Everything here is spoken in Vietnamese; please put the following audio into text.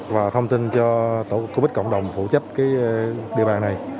và thông tin cho tổ quốc covid cộng đồng phụ trách cái địa bàn này